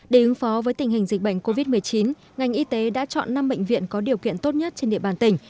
để ứng phó với tình hình dịch bệnh covid một mươi chín ngành y tế đã chọn năm bệnh viện có điều kiện tốt nhất trên địa bàn tỉnh